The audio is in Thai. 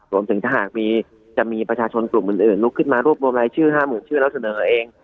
รวมถึงถ้าหากจะมีประชาชนกลุ่มอื่นลุกขึ้นมารวบรวมรายชื่อ๕๐๐๐ชื่อแล้วเสนอเอง